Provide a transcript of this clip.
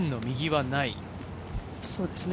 そうですね。